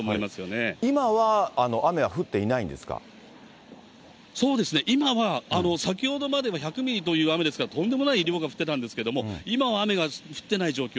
今は雨は降っていないんですそうですね、今は、先ほどまでは１００ミリという雨ですから、とんでもない量が降ってたんですけれども、今は雨が降ってない状況。